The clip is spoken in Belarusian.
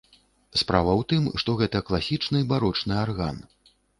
Справа ў тым, што гэта класічны барочны арган.